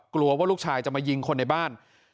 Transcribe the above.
กลัวว่าลูกชายจะมายิงคนในบ้าน